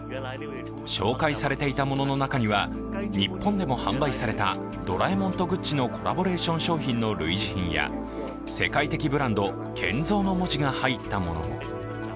紹介されていたものの中には日本でも販売されたドラえもんとグッチのコラボレーション商品の類似品や世界的ブランドＫＥＮＺＯの文字が入ったものも。